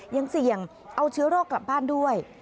ยังเสี่ยงเอาเชื้อโรคกลับบ้านด้วย